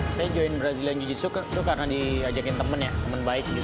saya ada di jujitsu karena saya di ajak teman baik